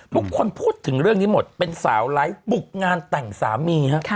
ทุกคนพูดถึงเรื่องนี้หมดเป็นสาวไลฟ์บุกงานแต่งสามีฮะ